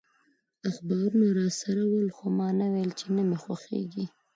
اخبارونه راسره ول، خو ما نه ویل چي نه مي خوښیږي.